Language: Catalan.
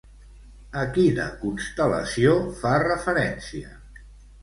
A quina constel·lació fa referència?